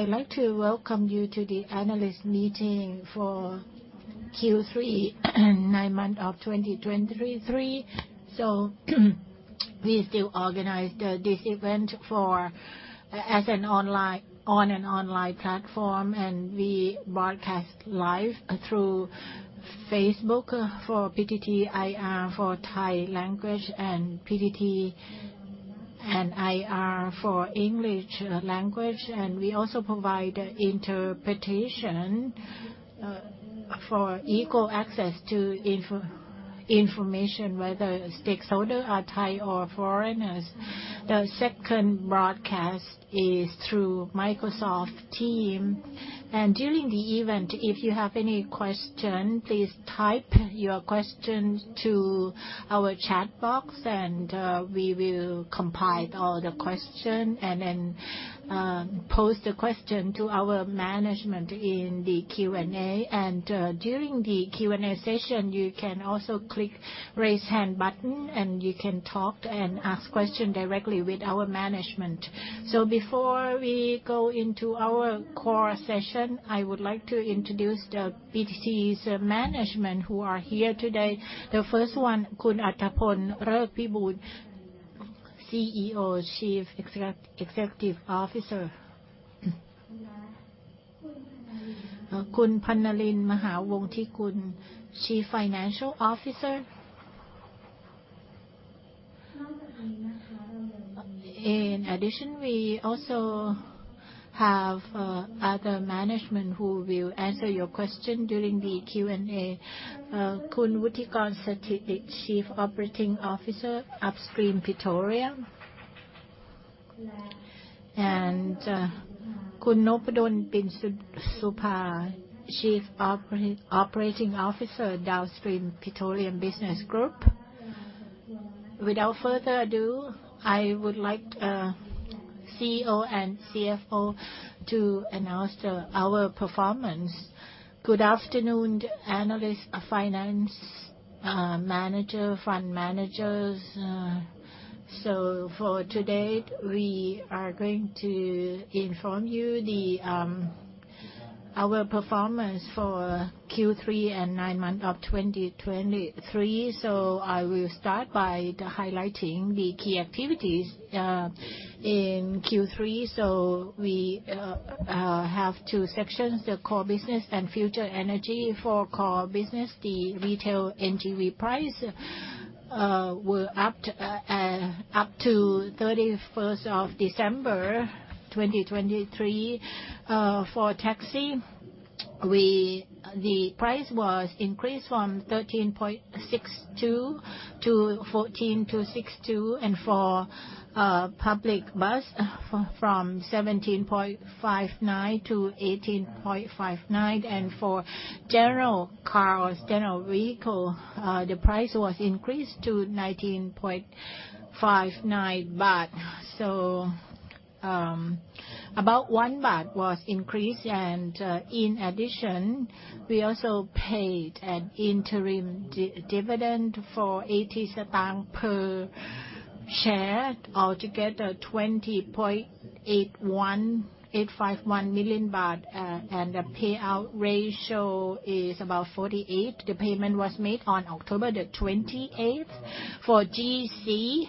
I'd like to welcome you to the analyst meeting for Q3 and 9 months of 2023. We still organize this event on an online platform, and we broadcast live through Facebook for PTT IR for Thai language, and PTT and IR for English language. We also provide interpretation for equal access to information, whether stakeholders are Thai or foreigners. The second broadcast is through Microsoft Teams, and during the event, if you have any question, please type your question to our Chat Box, and we will compile all the questions and then pose the question to our management in the Q&A. During the Q&A session, you can also click raise hand button, and you can talk and ask question directly with our management. So before we go into our core session, I would like to introduce the PTT's management who are here today. The first one, Khun Auttapol Rerkpiboon, CEO, Chief Executive Officer. Khun Pannalin Mahawongtikul, Chief Financial Officer. In addition, we also have other management who will answer your question during the Q&A. Khun Wuttikorn Stithit, Chief Operating Officer, Upstream Petroleum. And Khun Noppadol Pinsupa, Chief Operating Officer, Downstream Petroleum Business Group. Without further ado, I would like CEO and CFO to announce our performance. Good afternoon, analysts, finance managers, fund managers. So for today, we are going to inform you our performance for Q3 and 9 months of 2023. So I will start by the highlighting the key activities in Q3. So we have two sections, the core business and future energy. For core business, the retail NGV price were up to 31st of December 2023. For taxi, we. The price was increased from 13.62 THB to 14.62 THB, and for public bus, from 17.59 THB to 18.59 THB, and for general cars, general vehicle, the price was increased to 19.59 baht. So, about 1 baht was increased, and in addition, we also paid an interim dividend for 80 satang per share, all together, 20.81851 million baht, and the payout ratio is about 48%. The payment was made on October the 28th. For GC,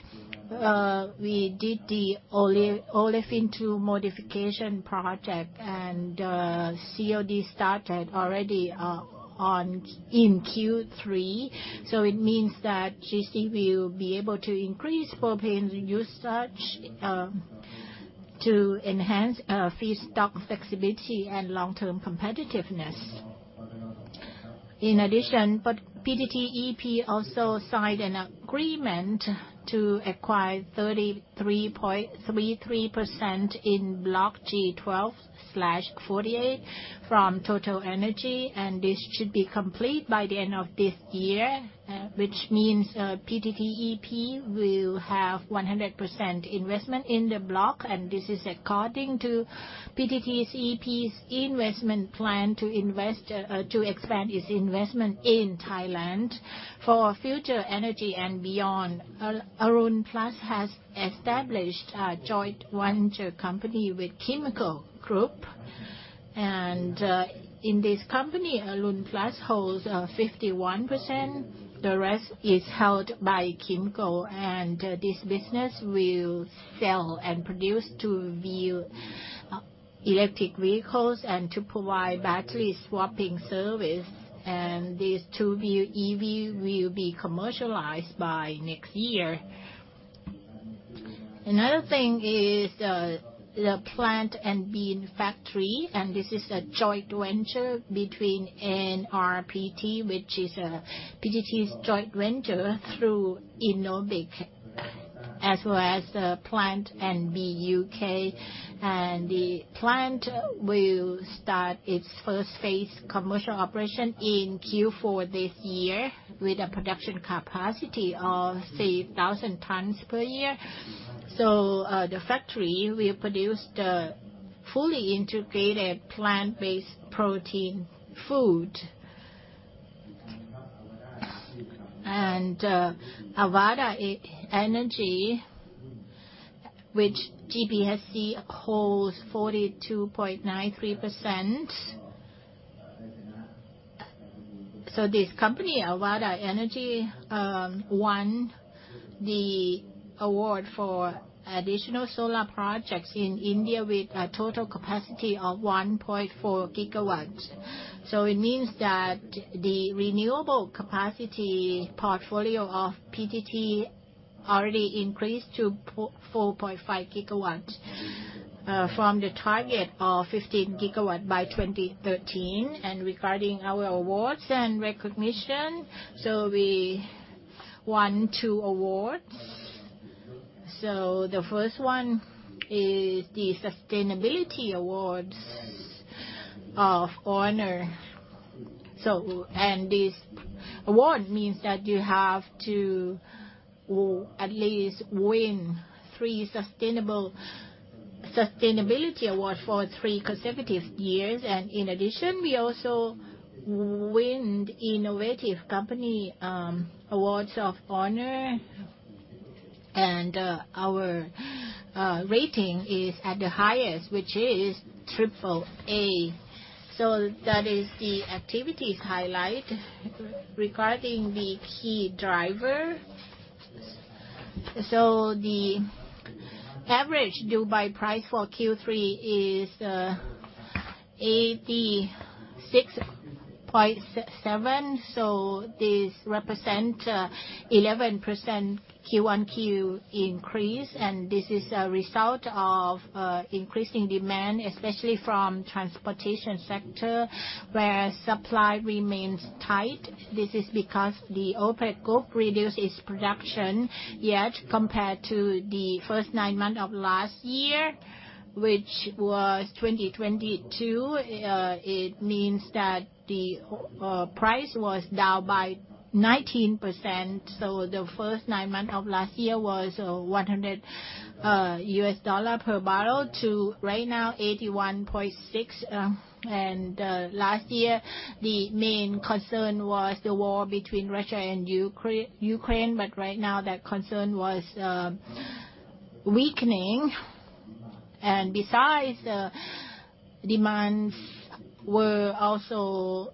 we did the Olefin 2 Modification Project, and COD started already on in Q3. So it means that GC will be able to increase propane usage to enhance feedstock flexibility and long-term competitiveness. In addition, PTTEP also signed an agreement to acquire 33.33% in Block G12/48 from TotalEnergies, and this should be complete by the end of this year, which means PTTEP will have 100% investment in the block, and this is according to PTT's EP's investment plan to invest to expand its investment in Thailand. For future energy and beyond, Arun Plus has established a joint venture company with KYMCO Group. And in this company, Arun Plus holds 51%. The rest is held by KYMCO, and this business will sell and produce two-wheel electric vehicles and to provide battery swapping service, and these two-wheel EV will be commercialized by next year. Another thing is, the Plant & Bean factory, and this is a joint venture between NRPT, which is, PTT's joint venture through Innobic, as well as, Plant & Bean U.K. The plant will start its 1st phase commercial operation in Q4 this year with a production capacity of 3,000 tons per year. The factory will produce the fully integrated plant-based protein food. Avaada Energy, which GPSC holds 42.93%. This company, Avaada Energy, won the award for additional solar projects in India with a total capacity of 1.4 GW. It means that the renewable capacity portfolio of PTT already increased to 4.5 GW, from the target of 15 GW by 2013. Regarding our awards and recognition, we won two awards. So the first one is the Sustainability Awards of Honour. So, and this award means that you have to at least win three Sustainability Awards for three consecutive years. And in addition, we also win Innovative Company Awards of Honor, and our rating is at the highest, which is AAA. So that is the activities highlight. Regarding the key driver, so the average Dubai price for Q3 is $86.7, so this represents an 11% QoQ increase. And this is a result of increasing demand, especially from transportation sector, where supply remains tight. This is because the OPEC group reduced its production, yet compared to the first nine months of last year, which was 2022, it means that the price was down by 19%. So the first nine months of last year was $100 per barrel to right now, $81.6. Last year, the main concern was the war between Russia and Ukraine, but right now that concern was weakening. And besides, demands were also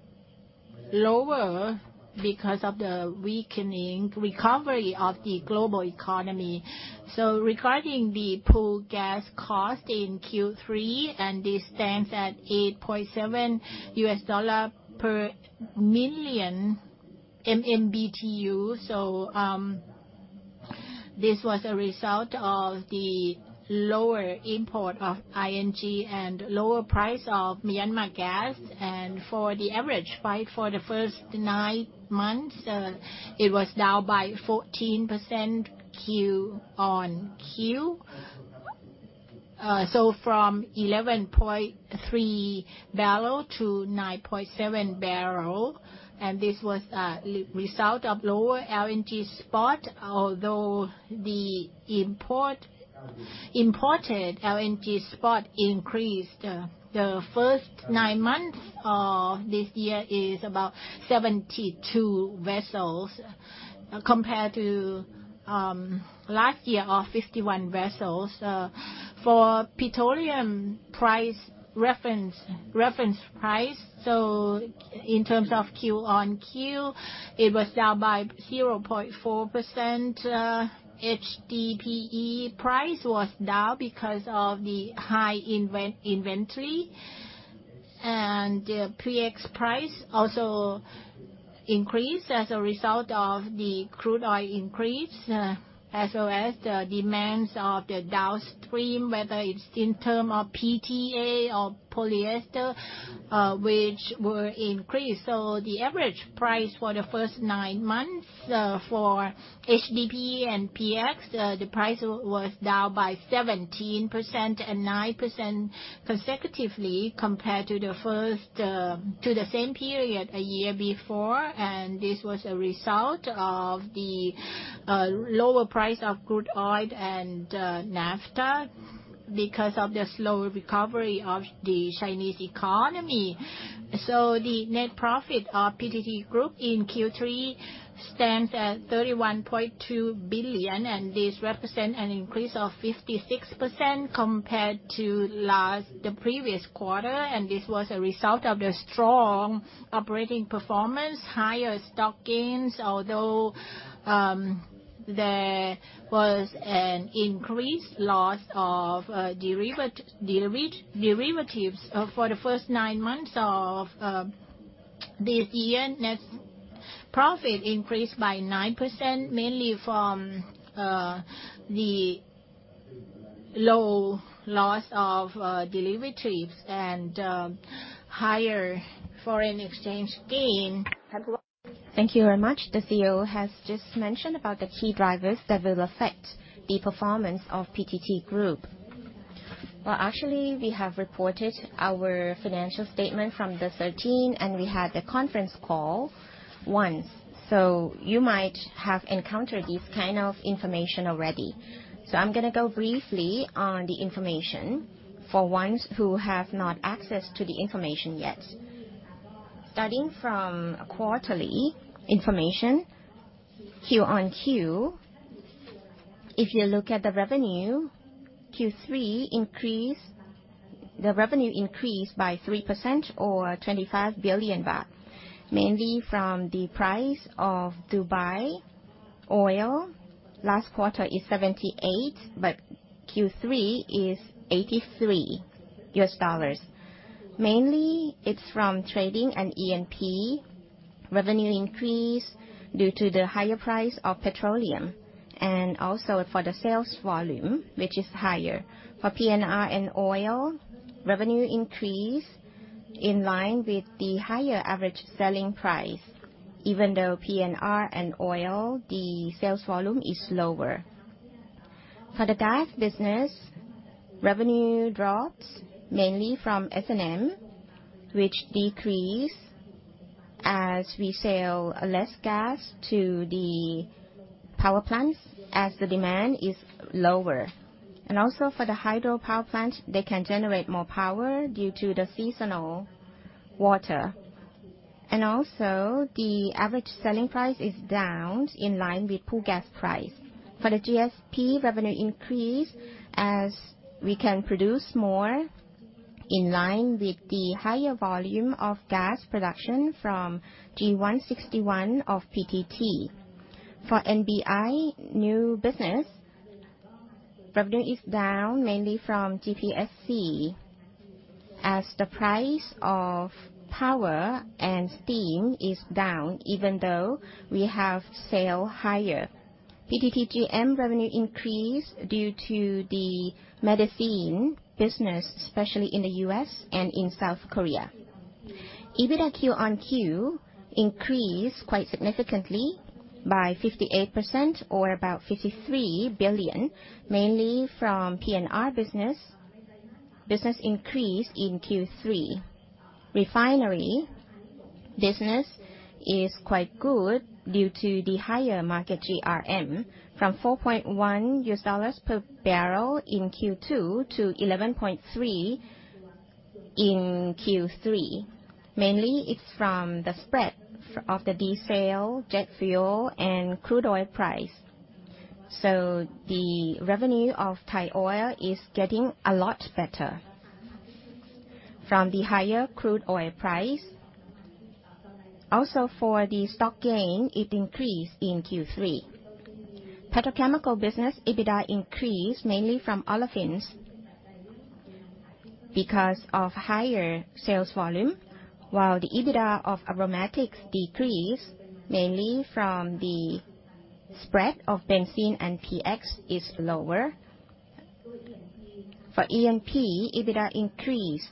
lower because of the weakening recovery of the global economy. So regarding the pool gas cost in Q3, and this stands at $8.7 per million MMBtu. So, this was a result of the lower import of LNG and lower price of Myanmar gas. And for the average price for the first nine months, it was down by 14% QoQ. So from 11.3 barrel to 9.7 barrel, and this was a result of lower LNG spot, although the imported LNG spot increased. The first nine months of this year is about 72 vessels, compared to last year of 51 vessels. For petroleum price reference price, so in terms of QoQ, it was down by 0.4%. HDPE price was down because of the high inventory, and PX price also increased as a result of the crude oil increase, as well as the demands of the downstream, whether it's in term of PTA or polyester, which were increased. So the average price for the first nine months, for HDPE and PX, the price was down by 17% and 9% consecutively, compared to the first to the same period a year before. This was a result of the lower price of crude oil and naphtha because of the slower recovery of the Chinese economy. The net profit of PTT Group in Q3 stands at 31.2 billion, and this represent an increase of 56% compared to the previous quarter. This was a result of the strong operating performance, higher stock gains although there was an increased loss of derivatives. For the first nine months of this year, net profit increased by 9%, mainly from the low loss of derivatives and higher foreign exchange gain. Thank you very much. The CEO has just mentioned about the key drivers that will affect the performance of PTT Group. Well, actually, we have reported our financial statement from the thirteen, and we had a conference call once. So you might have encountered this kind of information already. So I'm going to go briefly on the information for ones who have not access to the information yet. Starting from quarterly information, QoQ. If you look at the revenue, Q3 increase, the revenue increased by 3% or 25 billion baht, mainly from the price of Dubai oil. Last quarter is $78, but Q3 is $83. Mainly, it's from trading and E&P. Revenue increase due to the higher price of petroleum, and also for the sales volume, which is higher. For P&R and oil, revenue increase in line with the higher average selling price. Even though P&R and oil, the sales volume is lower. For the gas business, revenue drops mainly from S&M, which decrease as we sell less gas to the power plants, as the demand is lower. For the hydropower plant, they can generate more power due to the seasonal water. Also, the average selling price is down in line with pool gas price. For the GSP, revenue increase as we can produce more in line with the higher volume of gas production from G1/61 of PTT. For NBI new business, revenue is down mainly from GPSC, as the price of power and steam is down, even though we have sale higher. PTTGM revenue increase due to the medicine business, especially in the US and in South Korea. EBITDA QoQ increased quite significantly by 58% or about 53 billion, mainly from P&R business. Business increase in Q3. Refinery business is quite good due to the higher market GRM from $4.1 per barrel in Q2 to $11.3 in Q3. Mainly, it's from the spread of the diesel, jet fuel, and crude oil price. So the revenue of Thai Oil is getting a lot better from the higher crude oil price. Also, for the stock gain, it increased in Q3. Petrochemical business, EBITDA increased mainly from olefins because of higher sales volume, while the EBITDA of aromatics decreased, mainly from the spread of benzene and PX is lower. For E&P, EBITDA increased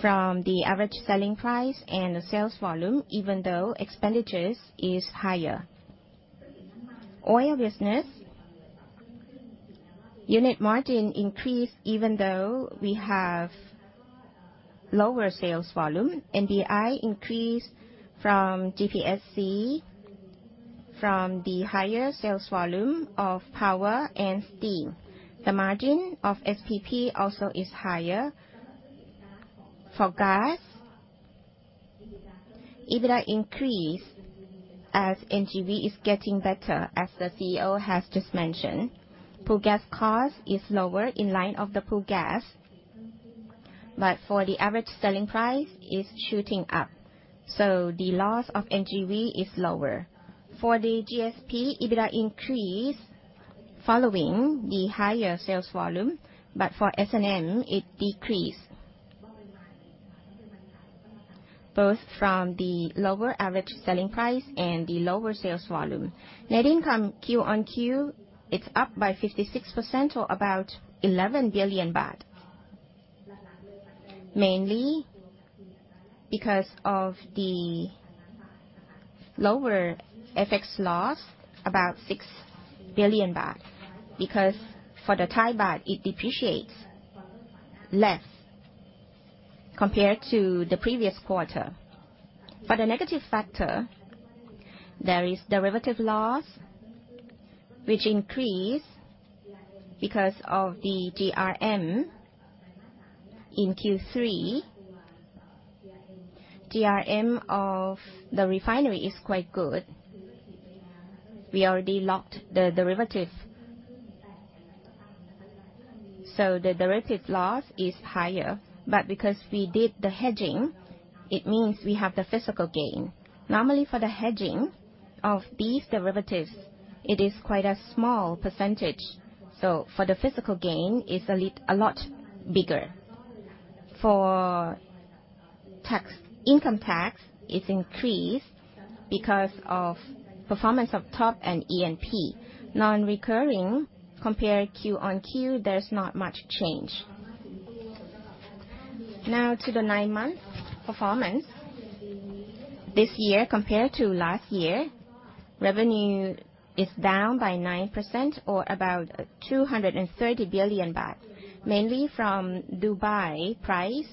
from the average selling price and the sales volume, even though expenditures is higher. Oil business, unit margin increased, even though we have lower sales volume. NBI increased from GPSC, from the higher sales volume of power and steam. The margin of SPP also is higher. For gas, EBITDA increased as NGV is getting better, as the CEO has just mentioned. Pool gas cost is lower in line of the pool gas, but for the average selling price, is shooting up, so the loss of NGV is lower. For the GSP, EBITDA increased following the higher sales volume, but for S&M, it decreased, both from the lower average selling price and the lower sales volume. Net income, QoQ, it's up by 56% or about 11 billion baht. Mainly because of the lower FX loss, about 6 billion baht, because for the Thai baht, it depreciates less compared to the previous quarter. For the negative factor, there is derivative loss, which increased because of the GRM in Q3. GRM of the refinery is quite good. We already locked the derivative. So the derivative loss is higher, but because we did the hedging, it means we have the physical gain. Normally, for the hedging of these derivatives, it is quite a small percentage, so for the physical gain, it's a lot bigger. For tax, income tax, it's increased because of performance of TOP and E&P. Non-recurring, compared QoQ, there's not much change. Now to the nine-month performance. This year, compared to last year, revenue is down by 9% or about 230 billion baht, mainly from Dubai price.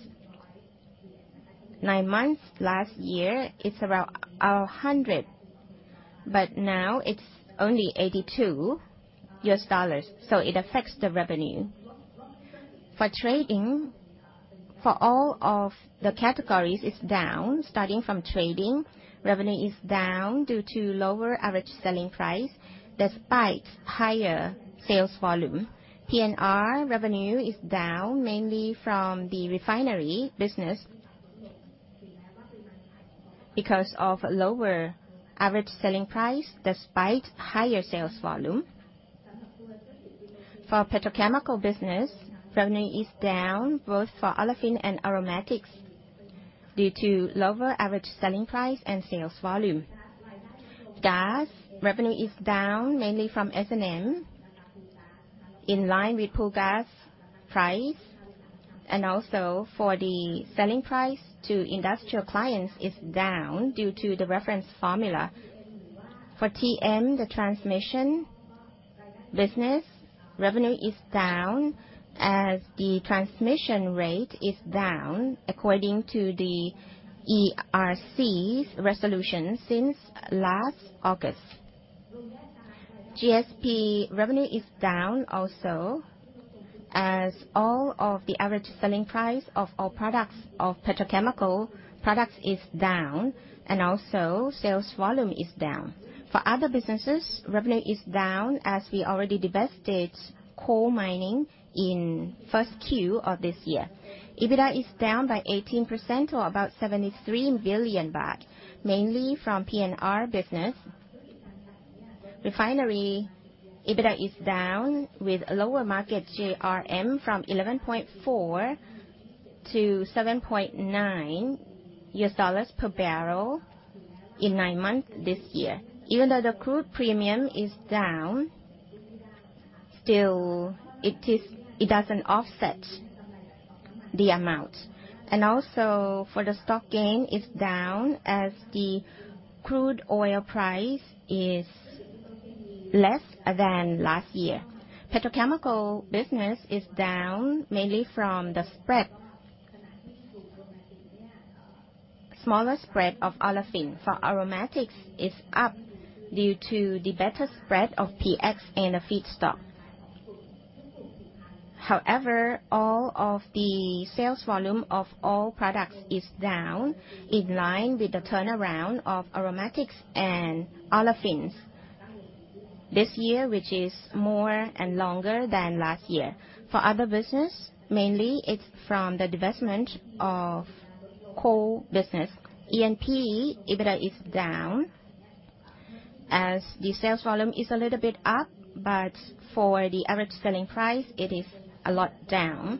Nine months last year, it's about $100, but now it's only $82, so it affects the revenue. For trading, for all of the categories, it's down. Starting from trading, revenue is down due to lower average selling price, despite higher sales volume. PNR revenue is down, mainly from the refinery business, because of lower average selling price, despite higher sales volume. For petrochemical business, revenue is down both for olefin and aromatics, due to lower average selling price and sales volume. Gas revenue is down, mainly from S&M, in line with pool gas price, and also for the selling price to industrial clients is down due to the reference formula. For TM, the transmission business, revenue is down as the transmission rate is down, according to the ERC's resolution since last August. GSP revenue is down also, as all of the average selling price of all products of petrochemical products is down, and also sales volume is down. For other businesses, revenue is down, as we already divested coal mining in first Q of this year. EBITDA is down by 18%, or about 73 billion baht, mainly from PNR business. Refinery EBITDA is down with lower market GRM, from $11.4-$7.9 per barrel in nine months this year. Even though the crude premium is down, still it doesn't offset the amount. Also, for the stock gain, it's down, as the crude oil price is less than last year. Petrochemical business is down, mainly from the spread. Smaller spread of olefin. For aromatics, it's up due to the better spread of PX and the feedstock. However, all of the sales volume of all products is down, in line with the turnaround of aromatics and olefins this year, which is more and longer than last year. For other business, mainly it's from the divestment of coal business. E&P, EBITDA is down, as the sales volume is a little bit up, but for the average selling price, it is a lot down.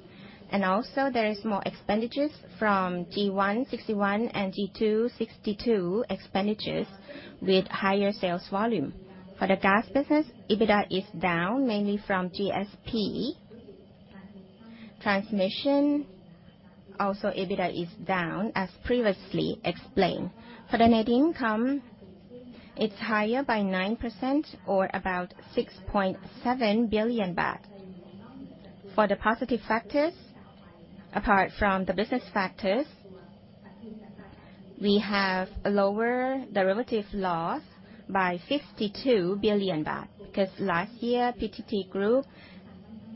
Also, there is more expenditures from G1/61 and G2/61 expenditures, with higher sales volume. For the gas business, EBITDA is down, mainly from GSP. Transmission, also EBITDA is down, as previously explained. For the net income, it's higher by 9% or about 6.7 billion baht. For the positive factors, apart from the business factors, we have lower derivative loss by 52 billion baht. Because last year, PTT group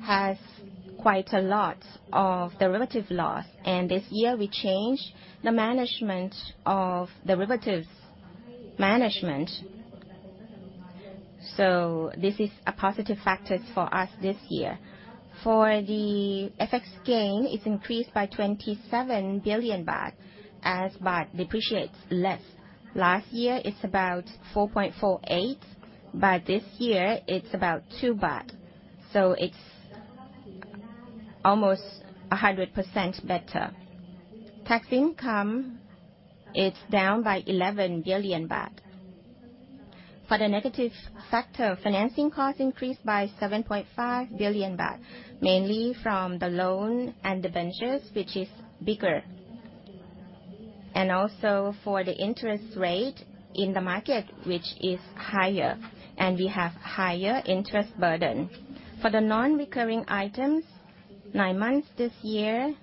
has quite a lot of derivative loss, and this year we changed the management of derivatives management. So this is a positive factor for us this year. For the FX gain, it's increased by 27 billion baht, as baht depreciates less. Last year, it's about 4.48, but this year it's about 2 baht, so it's almost 100% better. Tax income, it's down by 11 billion baht. For the negative factor, financing costs increased by 7.5 billion baht, mainly from the loan and the ventures, which is bigger. And also, for the interest rate in the market, which is higher, and we have higher interest burden. For the non-recurring items, nine months this year,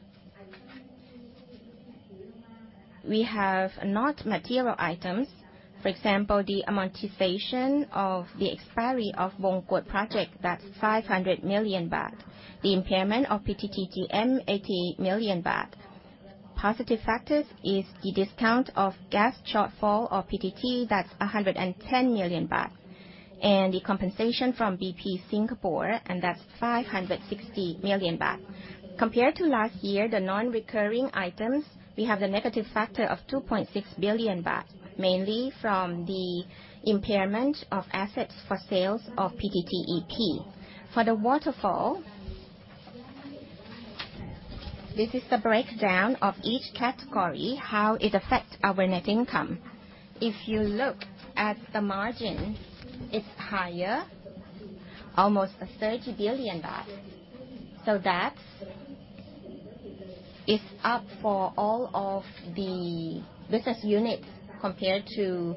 we have not material items. For example, the amortization of the expiry of Bongkot project, that's 500 million baht. The impairment of PTTGM, 80 million baht. Positive factors is the discount of gas shortfall of PTT, that's 110 million baht, and the compensation from BP Singapore, and that's 560 million baht. Compared to last year, the non-recurring items, we have the negative factor of 2.6 billion baht, mainly from the impairment of assets for sales of PTTEP. For the waterfall, this is the breakdown of each category, how it affect our net income. If you look at the margin, it's higher, almost THB 30 billion. So that's... It's up for all of the business units compared to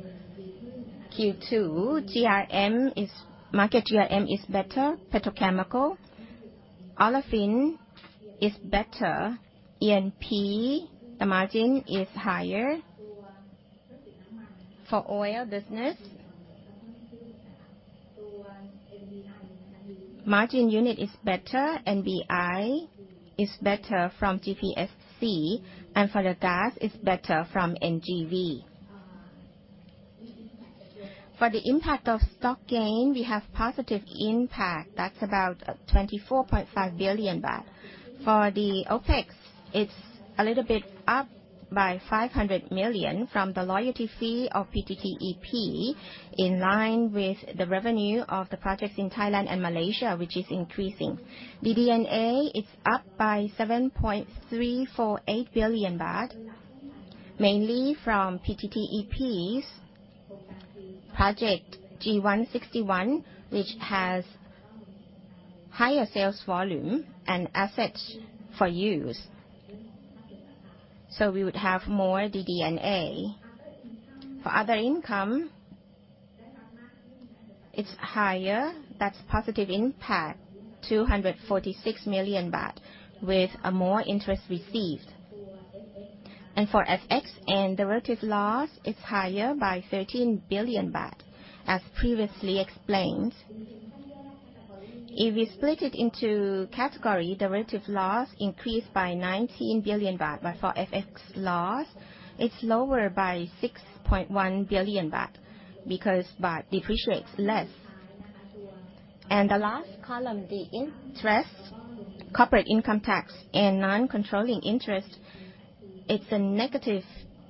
Q2. GRM is, market GRM is better. Petrochemical, olefin is better. E&P, the margin is higher. For oil business-... Margin unit is better, NBI is better from GPSC, and for the gas, it's better from NGV. For the impact of stock gain, we have positive impact. That's about, twenty-four point five billion baht. For the OpEx, it's a little bit up by 500 million from the loyalty fee of PTTEP, in line with the revenue of the projects in Thailand and Malaysia, which is increasing. DD&A is up by 7.348 billion baht, mainly from PTTEP's project G1/61, which has higher sales volume and assets for use. So we would have more DD&A. For other income, it's higher. That's positive impact, 246 million baht, with a more interest received. And for FX and derivative loss, it's higher by 13 billion baht, as previously explained. If you split it into category, derivative loss increased by 19 billion baht, but for FX loss, it's lower by 6.1 billion baht, because baht depreciates less. And the last column, the interest, corporate income tax, and non-controlling interest, it's a negative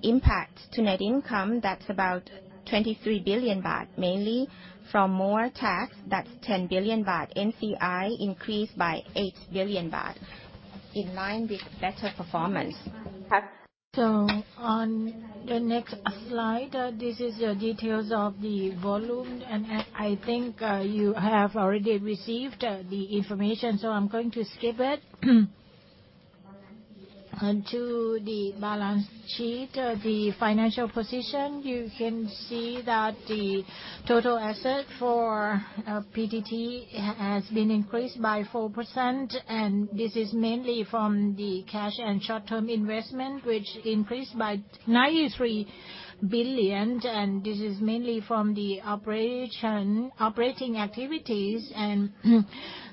impact to net income. That's about 23 billion baht, mainly from more tax. That's 10 billion baht. NCI increased by 8 billion baht, in line with better performance. So on the next slide, this is the details of the volume, and as I think, you have already received the information, so I'm going to skip it. On to the balance sheet, the financial position, you can see that the total asset for PTT has been increased by 4%, and this is mainly from the cash and short-term investment, which increased by 93 billion, and this is mainly from the operation, operating activities. And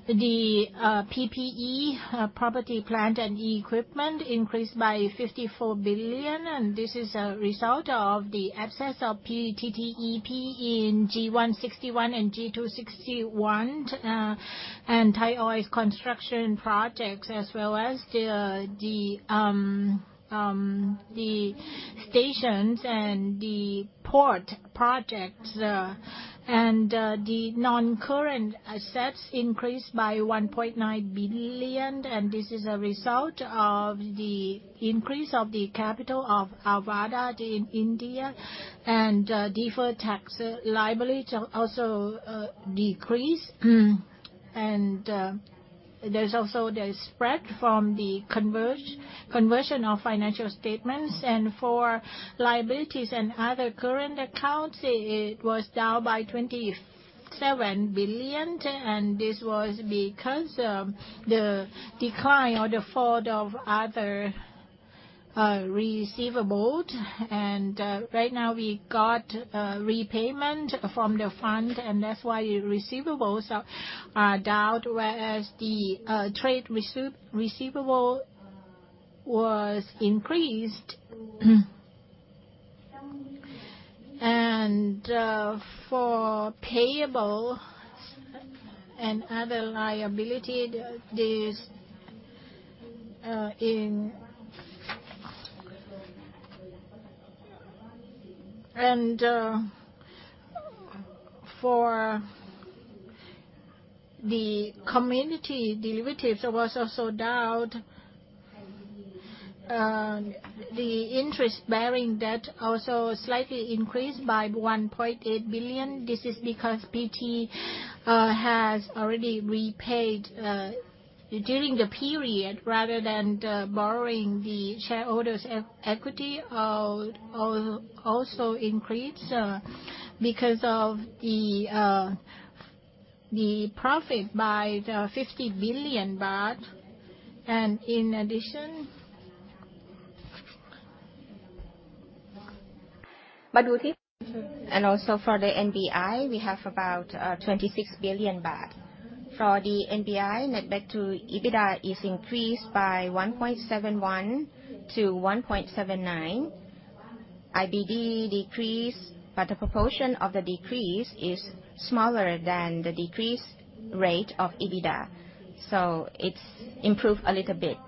the PPE, property, plant, and equipment increased by 54 billion, and this is a result of the assets of PTTEP in G1/61 and G2/61, and Thai Oil's construction projects, as well as the stations and the port projects. And the non-current assets increased by 1.9 billion, and this is a result of the increase of the capital of Ávida in India, and deferred tax liability also decreased. And there's also the spread from the conversion of financial statements. And for liabilities and other current accounts, it was down by 27 billion, and this was because of the decline or the fall of other receivables. And right now, we got a repayment from the fund, and that's why the receivables are down, whereas the trade receivable was increased. And for payables and other liability, there's in. And for the community derivatives, it was also down. The interest-bearing debt also slightly increased by 1.8 billion. This is because PTT has already repaid during the period, rather than borrowing. The shareholders' equity also increased because of the profit by the 50 billion baht. And in addition? For the NBI, we have about 26 billion baht. For the NBI, Net Debt to EBITDA is increased by 1.71-1.79. IBD decreased, but the proportion of the decrease is smaller than the decrease rate of EBITDA, so it's improved a little bit.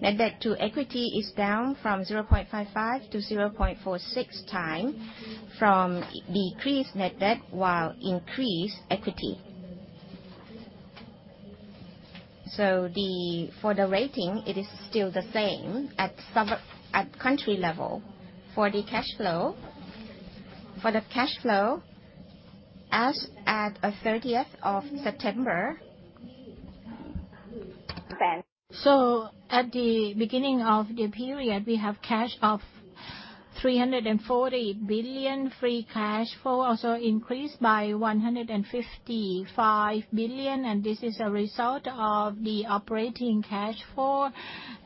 Net Debt to equity is down from 0.55 to 0.46 times from decreased net debt while increased equity. So, for the rating, it is still the same at sub- at country level. For the cash flow, for the cash flow, as at 30th of September. So at the beginning of the period, we have cash of 340 billion. Free Cash Flow also increased by 155 billion, and this is a result of the operating cash flow,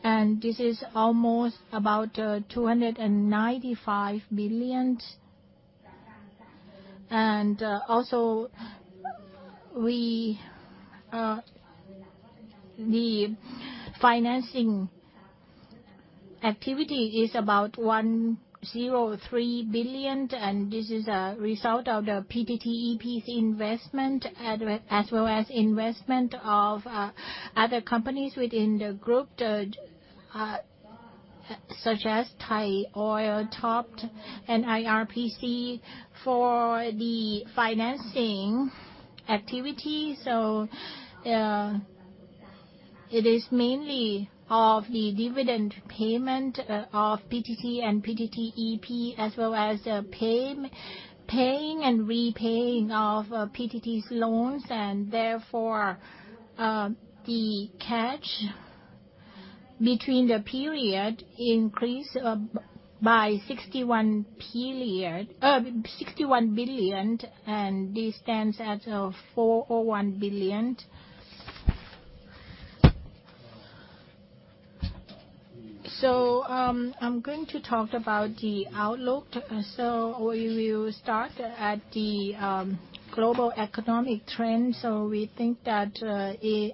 and this is almost about 295 billion. Also, the financing activity is about 103 billion, and this is a result of the PTTEP's investment, as well as investment of other companies within the group, such as Thai Oil, TOP and IRPC. For the financing activity, it is mainly of the dividend payment of PTT and PTTEP, as well as the paying and repaying of PTT's loans. And therefore, the cash between the period increased by 61 billion, and this stands at 401 billion. So, I'm going to talk about the outlook. So we will start at the global economic trend. So we think that,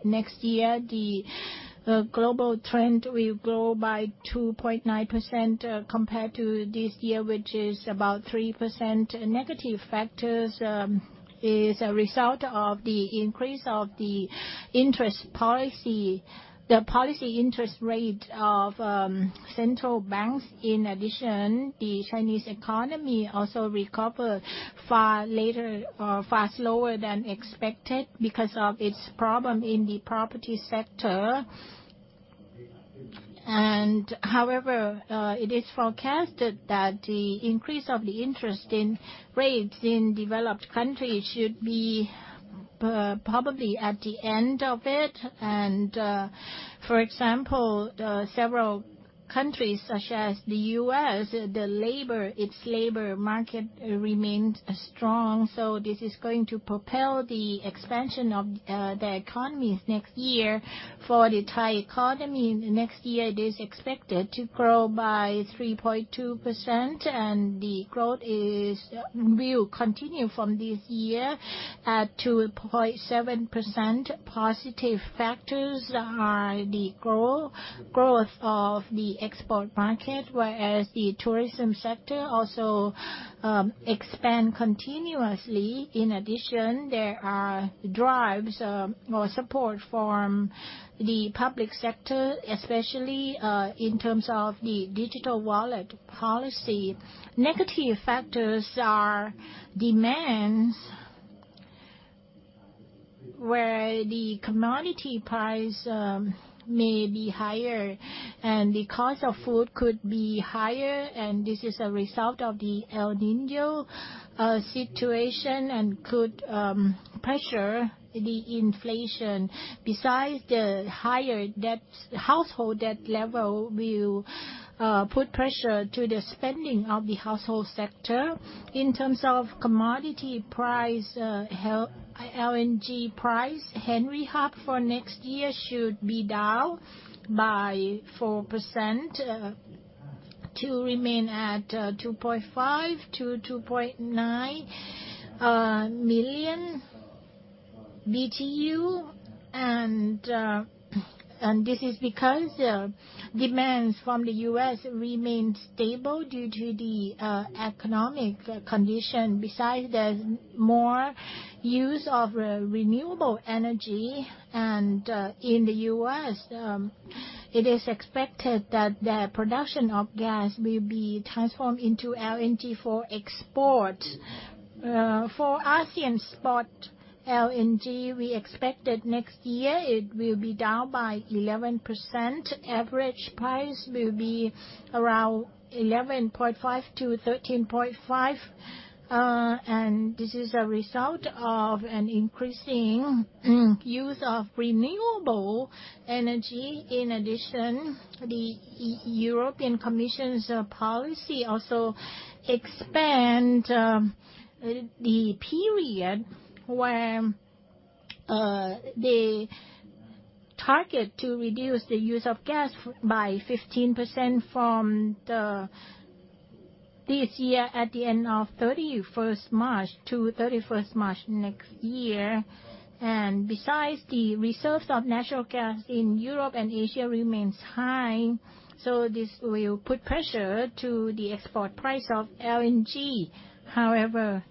next year, the global trend will grow by 2.9%, compared to this year, which is about 3%. Negative factors is a result of the increase of the interest policy, the policy interest rate of central banks. In addition, the Chinese economy also recover far later, or far slower than expected because of its problem in the property sector. However, it is forecasted that the increase of the interest in rates in developed countries should be, probably at the end of it. For example, several countries, such as the US, the labor, its labor market remains strong, so this is going to propel the expansion of the economies next year. For the Thai economy, next year, it is expected to grow by 3.2%, and the growth will continue from this year at 2.7%. Positive factors are the growth of the export market, whereas the tourism sector also expand continuously. In addition, there are drives or support from the public sector, especially in terms of the digital wallet policy. Negative factors are demands where the commodity price may be higher and the cost of food could be higher, and this is a result of the El Niño situation, and could pressure the inflation. Besides, the higher debt, household debt level will put pressure to the spending of the household sector. In terms of commodity price, LNG price, Henry Hub for next year should be down 4% to remain at $2.5-$2.9/MMBtu. And this is because demands from the US remain stable due to the economic condition. Besides the more use of renewable energy, and in the US, it is expected that the production of gas will be transformed into LNG for export. For ASEAN spot LNG, we expect that next year it will be down 11%. Average price will be around $11.5-$13.5/MMBtu, and this is a result of an increasing use of renewable energy. In addition, the European Commission's policy also expand the period where they target to reduce the use of gas by 15% from this year at the end of 31 March to 31 March next year. Besides, the reserves of natural gas in Europe and Asia remains high, so this will put pressure to the export price of LNG. However,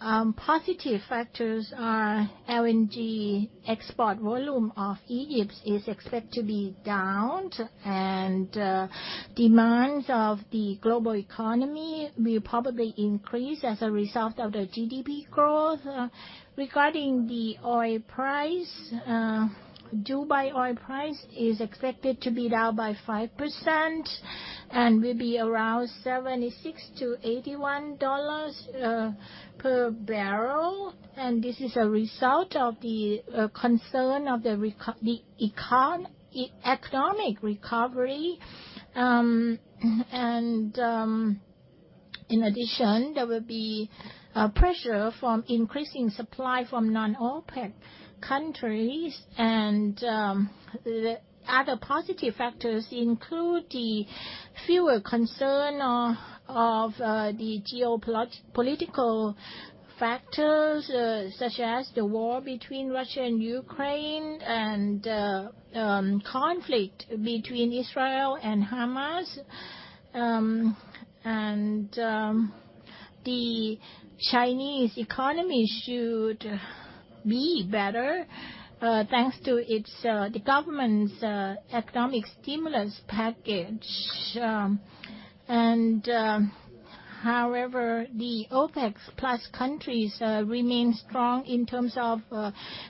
positive factors are LNG export volume of Egypt is expected to be down, and demands of the global economy will probably increase as a result of the GDP growth. Regarding the oil price, Dubai oil price is expected to be down by 5% and will be around $76-$81 per barrel. And this is a result of the concern of the economic recovery. In addition, there will be pressure from increasing supply from non-OPEC countries. The other positive factors include the fewer concern of, of, the geopolitical factors, such as the war between Russia and Ukraine, and, conflict between Israel and Hamas. The Chinese economy should be better, thanks to its, the government's, economic stimulus package. However, the OPEC+ countries remain strong in terms of,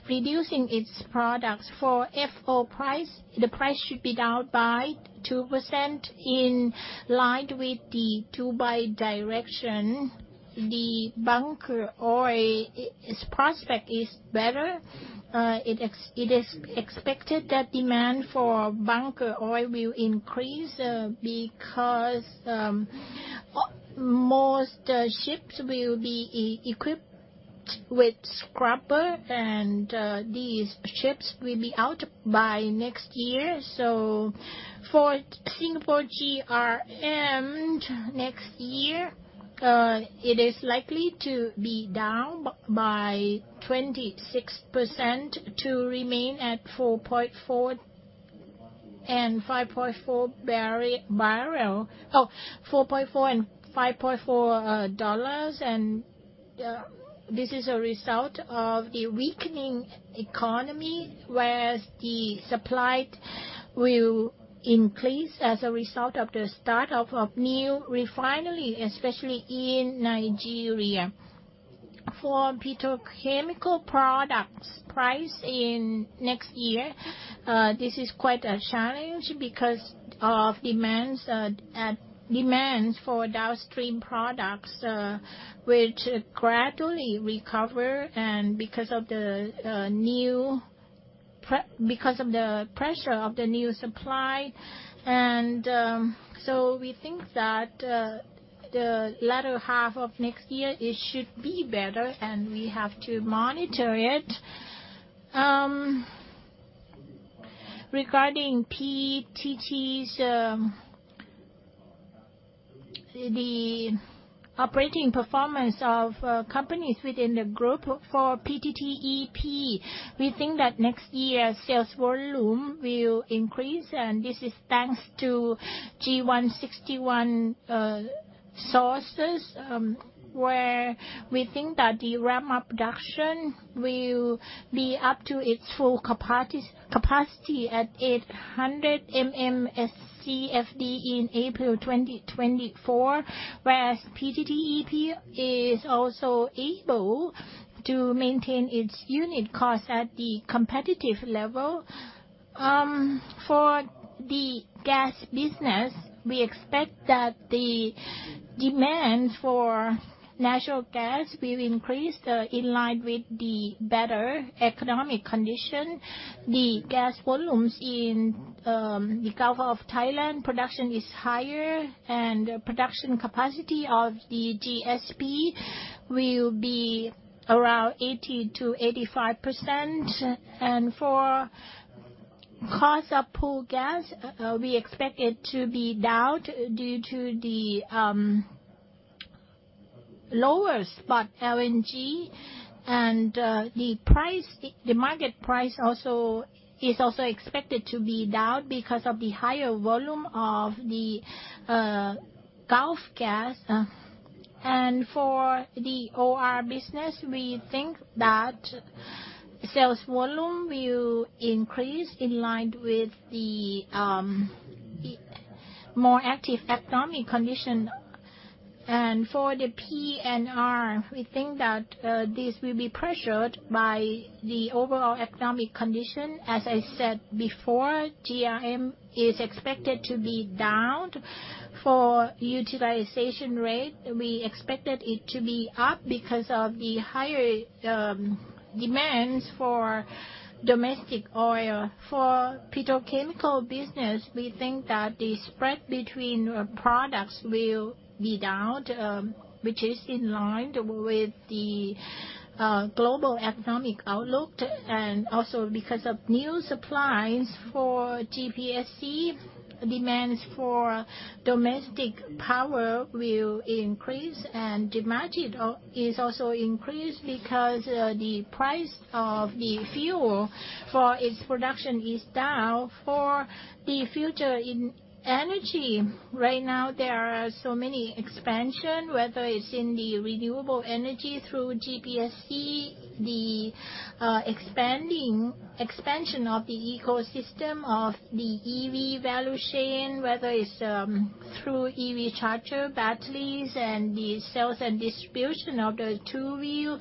producing its products. For FO price, the price should be down by 2% in line with the Dubai direction. The bunker oil, its prospect is better. It is expected that demand for bunker oil will increase, because most ships will be equipped with scrubber, and these ships will be out by next year. So for Singapore GRM next year, it is likely to be down by 26% to remain at $4.4-$5.4 per barrel. This is a result of the weakening economy, where the supply will increase as a result of the start of a new refinery, especially in Nigeria. For petrochemical products price in next year, this is quite a challenge because of demands for downstream products, which gradually recover and because of the pressure of the new supply. So we think that the latter half of next year, it should be better, and we have to monitor it. Regarding PTT's the operating performance of companies within the group. For PTTEP, we think that next year, sales volume will increase, and this is thanks to G1/61 sources, where we think that the ramp up production will be up to its full capacity at 800 MMSCFD in April 2024. Whereas PTTEP is also able to maintain its unit cost at the competitive level. For the gas business, we expect that the demand for natural gas will increase in line with the better economic condition. The gas volumes in the Gulf of Thailand, production is higher, and production capacity of the GSP will be around 80%-85%. For cost of pool gas, we expect it to be down due to the lower spot LNG. The price, the market price also is also expected to be down because of the higher volume of the Gulf gas. For the OR business, we think that sales volume will increase in line with the more active economic condition. For the PNR, we think that this will be pressured by the overall economic condition. As I said before, GRM is expected to be down. For utilization rate, we expected it to be up because of the higher demands for domestic oil. For petrochemical business, we think that the spread between products will be down, which is in line with the global economic outlook. Also because of new supplies for GPSC, demands for domestic power will increase, and the margin is also increased because the price of the fuel for its production is down. For the future in energy, right now, there are so many expansion, whether it's in the renewable energy through GPSC, the expansion of the ecosystem of the EV value chain, whether it's through EV charger batteries and the sales and distribution of the two-wheel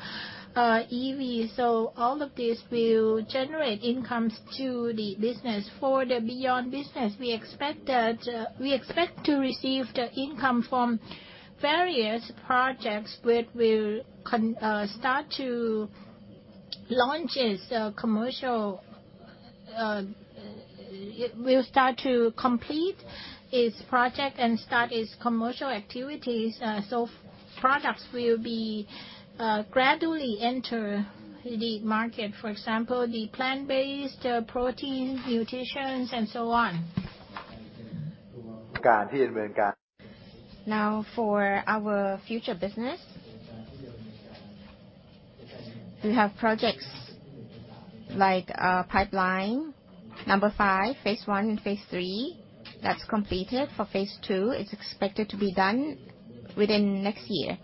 EV. So all of this will generate incomes to the business. For the beyond business, we expect that we expect to receive the income from various projects, which will start to launch its commercial- It will start to complete its project and start its commercial activities. So products will gradually enter the market. For example, the plant-based protein nutritions and so on. Now, for our future business, we have projects like Pipeline No. 5, phase I and phase III. That's completed. For phase II, it's expected to be done within next year.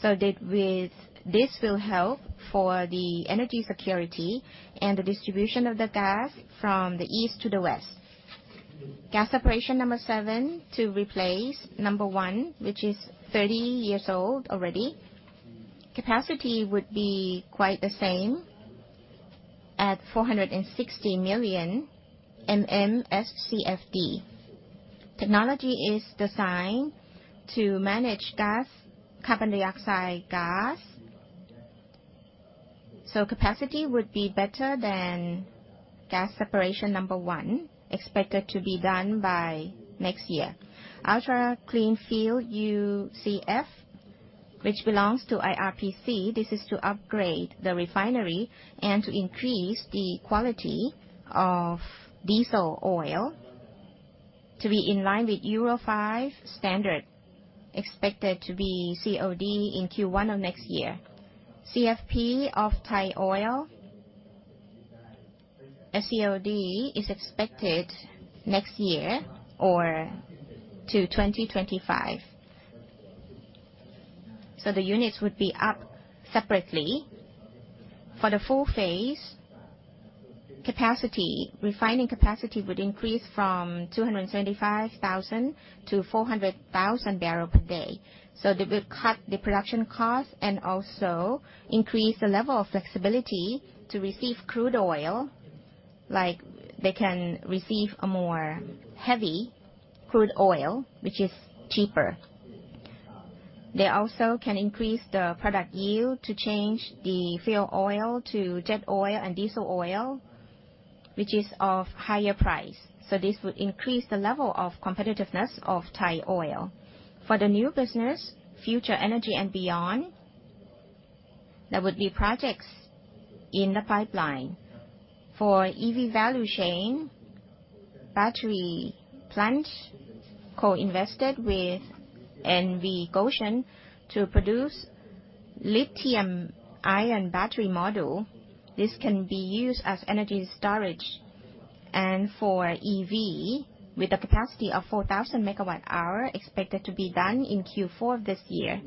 So that with this will help for the energy security and the distribution of the gas from the east to the west. Gas Separation No. 7, to replace 1, which is 30 years old already. Capacity would be quite the same, at 460 MMSCFD. Technology is designed to manage gas, carbon dioxide gas, so capacity would be better than gas separation No. 1, expected to be done by next year. Ultra Clean Fuel, UCF, which belongs to IRPC, this is to upgrade the refinery and to increase the quality of diesel oil to be in line with Euro 5 standard, expected to be COD in Q1 of next year. CFP of Thai Oil, SCOD is expected next year or to 2025. So the units would be up separately. For the full phase capacity, refining capacity would increase from 275,000 to 400,000 barrels per day. So they will cut the production cost and also increase the level of flexibility to receive crude oil, like they can receive a more heavy crude oil, which is cheaper. They also can increase the product yield to change the fuel oil to jet oil and diesel oil, which is of higher price. So this would increase the level of competitiveness of Thai Oil. For the new business, future energy and beyond, there would be projects in the pipeline. For EV Value Chain, battery plant co-invested with NV Goshen to produce lithium-ion battery module. This can be used as energy storage and for EV, with a capacity of 4,000 megawatt-hour, expected to be done in Q4 of this year.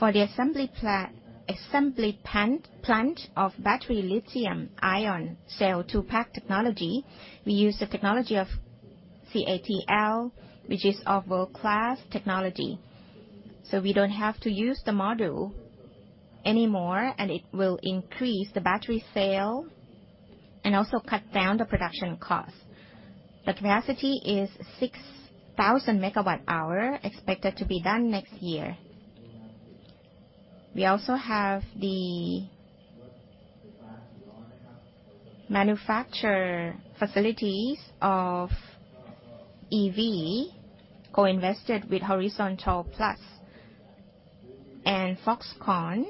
For the assembly plant of battery lithium-ion cell to pack technology, we use the technology of CATL, which is of world-class technology. So we don't have to use the module anymore, and it will increase the battery sale and also cut down the production cost. The capacity is 6,000 megawatt-hour, expected to be done next year. We also have the manufacturing facilities of EV, co-invested with Horizon Plus and Foxconn,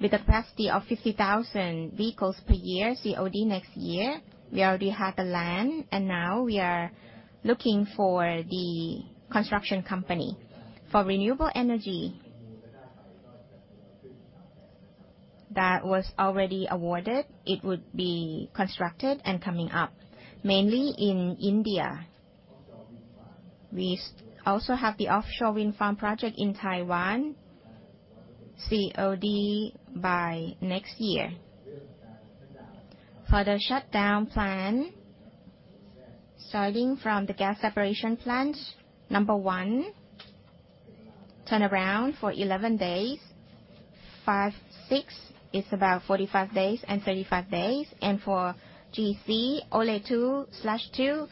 with a capacity of 50,000 vehicles per year, COD next year. We already have the land, and now we are looking for the construction company. For renewable energy, that was already awarded, it would be constructed and coming up, mainly in India. We also have the offshore wind farm project in Taiwan, COD by next year. For the shutdown plan, starting from the gas separation plant No. 1, turnaround for 11 days. Five, six is about 45 days and 35 days. And for GC Ole 2/2,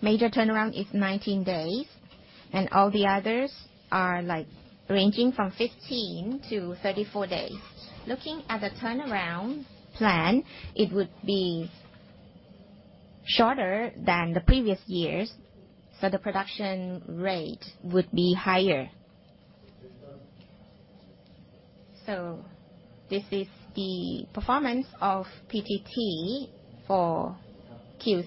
major turnaround is 19 days, and all the others are, like, ranging from 15-34 days. Looking at the turnaround plan, it would be shorter than the previous years, so the production rate would be higher. So this is the performance of PTT for Q2.